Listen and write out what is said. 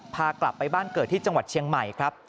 พากลับไปบ้านเกิดที่จังหวัดเชียงใหม่ครับ